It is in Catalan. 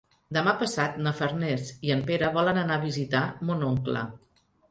Demà passat na Farners i en Pere volen anar a visitar mon oncle.